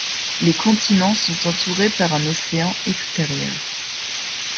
Les continents sont entourés par un océan extérieur.